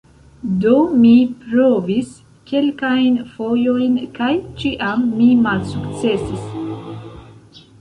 Do mi provis kelkajn fojojn, kaj ĉiam mi malsukcesis.